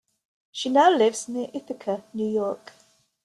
She now lives near Ithaca, New York.